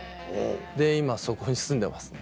で今そこに住んでますね。